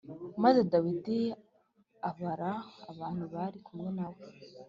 Maze dawidi abara abantu bari kumwe na we